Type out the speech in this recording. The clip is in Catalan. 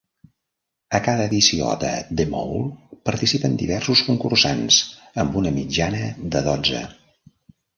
A cada edició de "The Mole" participen diversos concursants, amb una mitjana de dotze.